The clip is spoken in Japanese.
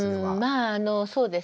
まあそうですね。